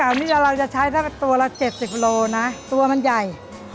ปลาเก่านี้เราจะใช้ตัวละ๗๐กิโลนะตัวมันใหญ่